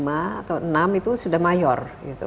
lima atau enam itu sudah mayor